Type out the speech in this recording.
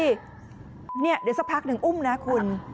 เดี๋ยวสักพักหนึ่งอุ้มนะคุณ